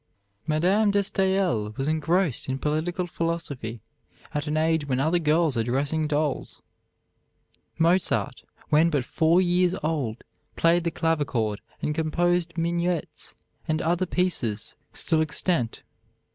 Madame de Staël was engrossed in political philosophy at an age when other girls are dressing dolls. Mozart, when but four years old, played the clavichord and composed minuets and other pieces still extant.